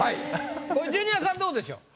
これジュニアさんどうでしょう？